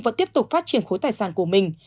và tiếp tục phát triển khối tài sản của mình